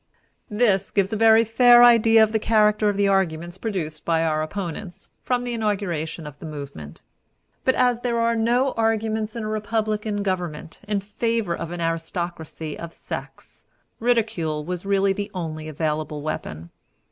This gives a very fair idea of the character of the arguments produced by our opponents, from the inauguration of the movement. But, as there are no arguments in a republican government in favor of an aristocracy of sex, ridicule was really the only available weapon.